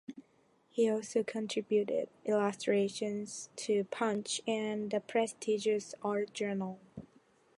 He also contributed illustrations to "Punch" and the prestigious "Art Journal".